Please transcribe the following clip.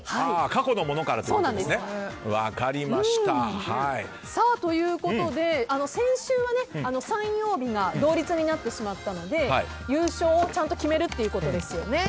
過去のものからということですね。ということで先週は３曜日が同率になってしまったので優勝をちゃんと決めるということですね。